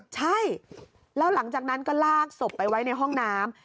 ใช่แล้วหลังจากนั้นก็ลากศพไปไว้ในห้องน้ำ